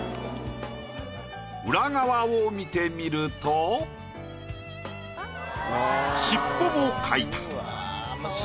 裏側を見てみると尻尾も描いた。